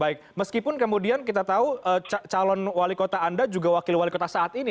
baik meskipun kemudian kita tahu calon wali kota anda juga wakil wali kota saat ini